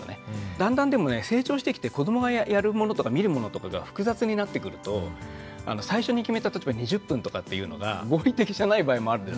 だんだんでもね成長してきて子どもがやるものとか見るものとかが複雑になってくると最初に決めた時は２０分とかっていうのが合理的じゃない場合もあるじゃないですか。